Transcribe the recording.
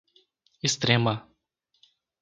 Extrema